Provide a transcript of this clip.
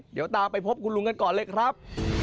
เดี๋ยวตามไปพบคุณลุงกันก่อนเลยครับ